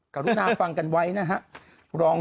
กรุณาฟังกันไว้นะครับ